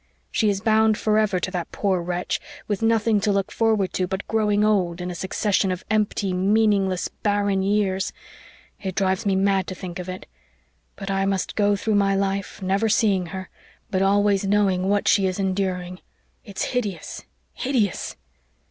She is bound forever to that poor wretch with nothing to look forward to but growing old in a succession of empty, meaningless, barren years. It drives me mad to think of it. But I must go through my life, never seeing her, but always knowing what she is enduring. It's hideous hideous!"